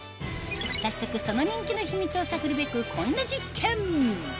早速その人気の秘密を探るべくこんな実験！